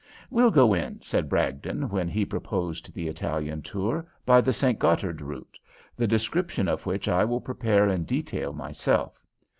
"We'll go in," said Bragdon, when he proposed the Italian tour, "by the St. Gothard route, the description of which I will prepare in detail myself.